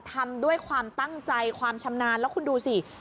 ทำด้วยความตั้งใจความชำนาญแล้วคุณดูสิ